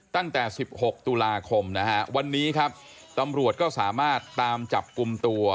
ตั้งแต่๑๖ตุลาคมนะฮะวันนี้ครับตำรวจก็สามารถตามจับกลุ่มตัว